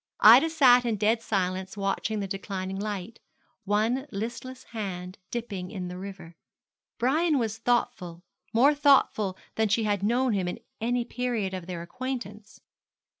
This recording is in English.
Ida sat in dead silence watching the declining light, one listless hand dipping in the river. Brian was thoughtful, more thoughtful than she had known him in any period of their acquaintance.